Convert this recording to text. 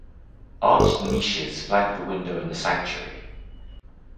Arched niches flank the window in the sanctuary.